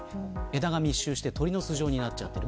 枝が密集して鳥の巣状になってしまっている。